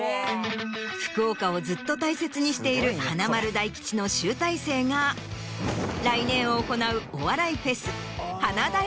福岡をずっと大切にしている華丸・大吉の集大成が来年行うお笑いフェス。